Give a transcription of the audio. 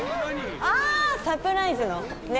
あサプライズのね。